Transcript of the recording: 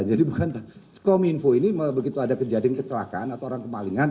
jadi bukan kominfo ini begitu ada kejadian kecelakaan atau orang kemalingan